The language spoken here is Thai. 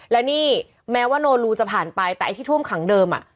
และนี่แม้ว่าโนรูจะผ่านไปแต่ไอ้ที่ท่วมขังเดิม